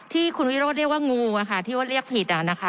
ที่คุณวิโรธเรียกว่างูนะคะที่ว่าเรียกผิดอ่ะนะคะ